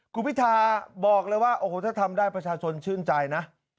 คุณพิทาบอกเลยว่าโอ้โหถ้าทำได้ประชาชนชื่นใจนะ